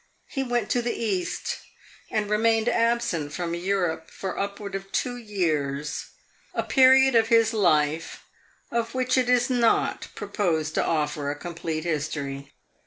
He went to the East and remained absent from Europe for upward of two years a period of his life of which it is not proposed to offer a complete history.